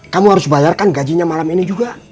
kamu harus bayarkan gajinya malam ini juga